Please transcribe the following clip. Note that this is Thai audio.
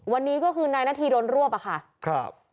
วันนี้ก็คือนายนาธีโดนรวบอะค่ะครับ